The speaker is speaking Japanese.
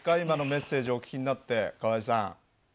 今のメッセージお聞きになって川合さん。